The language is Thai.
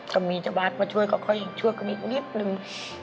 ถ้ามีจบาทมาช่วยก็ค่อยช่วยกันอีกนิดหนึ่ง